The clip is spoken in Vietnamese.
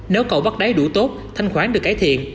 nếu cậu bắt đáy đủ tốt thanh khoán được cải thiện